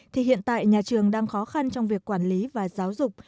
thì hiện tại nhà trường đang khó khăn trong việc quản lý và giáo dục